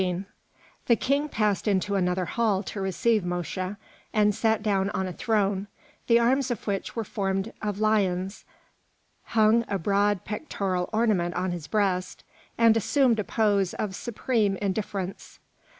XV The King passed into another hall to receive Mosche, and sat down on a throne, the arms of which were formed of lions, hung a broad pectoral ornament on his breast, and assumed a pose of supreme indifference.